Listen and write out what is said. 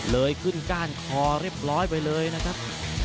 เลยขึ้นก้านคอเรียบร้อยไปเลยนะครับ